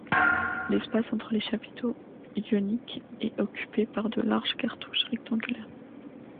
L'espace entre les chapiteaux ioniques est occupé par de larges cartouches rectangulaires.